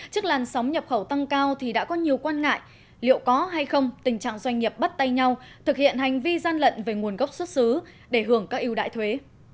trước làn sóng nhập khẩu tăng cao thì đã có nhiều quan ngại liệu có hay không tình trạng doanh nghiệp bắt tay nhau thực hiện hành vi gian lận về nguồn gốc xuất xứ để hưởng các ưu đại thuế